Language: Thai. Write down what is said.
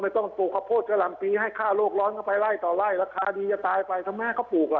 ต้องปลูกข้าวโพดกะหล่ำปีให้ฆ่าโลกร้อนเข้าไปไล่ต่อไล่ราคาดีจะตายไปทำไมเขาปลูกล่ะ